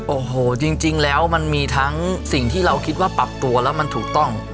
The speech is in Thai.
โอ้โหจริงแล้วมันมีทั้งสิ่งที่เราคิดว่าปรับตัวแล้วมันถูกต้อง